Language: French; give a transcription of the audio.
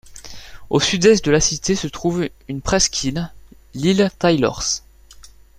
Au sud-est de la cité se trouve une presqu'île, l'île Taylors.